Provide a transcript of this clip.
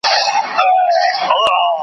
پر دوږخ باندي صراط او نري پلونه .